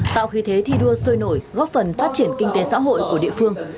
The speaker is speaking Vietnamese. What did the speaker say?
tạo khí thế thi đua sôi nổi góp phần phát triển kinh tế xã hội của địa phương